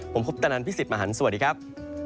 ผมคุปตนันพี่สิทธิ์มหันฯสวัสดีครับ